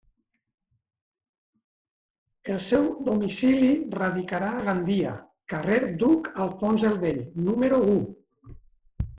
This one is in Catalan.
El seu domicili radicarà a Gandia, carrer Duc Alfons el Vell número u.